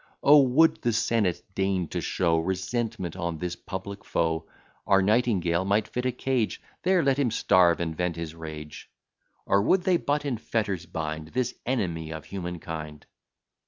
O! would the senate deign to show Resentment on this public foe, Our Nightingale might fit a cage; There let him starve, and vent his rage: Or would they but in fetters bind This enemy of human kind!